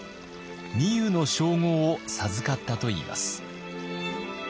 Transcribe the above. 御湯の称号を授かったといいます。